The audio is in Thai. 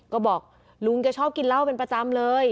ก็บอกลุงแกชอบกินเหล้าเป็นประจำเลย